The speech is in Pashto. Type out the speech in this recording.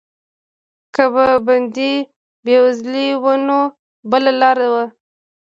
که به بندي بېوزلی و نو بله لاره وه.